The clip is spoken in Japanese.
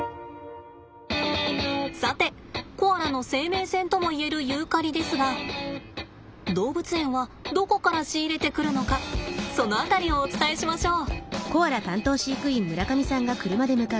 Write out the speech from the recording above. さてコアラの生命線とも言えるユーカリですが動物園はどこから仕入れてくるのかその辺りをお伝えしましょう。